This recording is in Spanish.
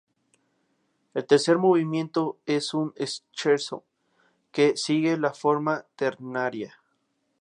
El tercer movimiento es un scherzo que sigue la forma ternaria.